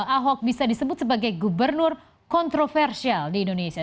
ahok bisa disebut sebagai gubernur kontroversial di indonesia